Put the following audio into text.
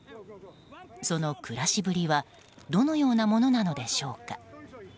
その暮らしぶりはどのようなものなのでしょうか。